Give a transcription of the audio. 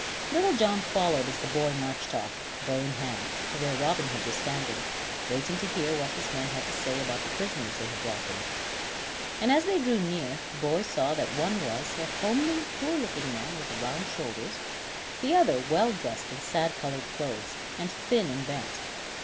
Little John followed as the boy marched off, bow in hand, to where Robin Hood was standing, waiting to hear what his men had to say about the prisoners they had brought in. And as they drew near the boy saw that one was, a homely poor looking man with round shoulders, the other, well dressed in sad colored clothes, and thin and bent.